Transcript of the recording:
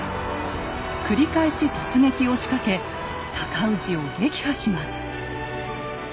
繰り返し突撃を仕掛け尊氏を撃破します。